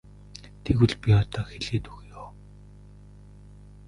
Тэгвэл би одоо хэлээд өгье.